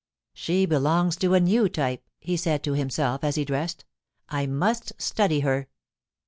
* She belongs to a new type,' he said to himself, as he dressed. * I must study her.'